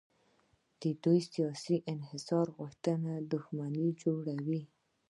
د دوی سیاسي انحصار غوښتل دښمني جوړوي.